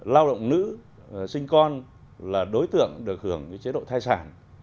lao động nữ sinh con là đối tượng được hưởng chế độ thai sản